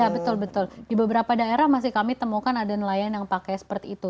betul betul di beberapa daerah masih kami temukan ada nelayan yang pakai seperti itu